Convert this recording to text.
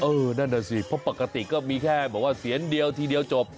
นั่นน่ะสิเพราะปกติก็มีแค่บอกว่าเสียงเดียวทีเดียวจบ